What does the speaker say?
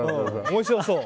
面白そう。